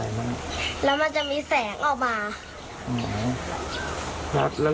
แล้วมันจะมีแสงออกมาอืม